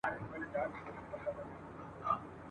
غرڅه لیري ځغلېدی تر ده د وړاندي !.